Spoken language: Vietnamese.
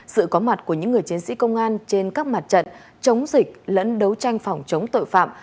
sự có mặt của những người chiến sĩ công an trên các mặt trận chống dịch lẫn đấu tranh phòng chống tội phạm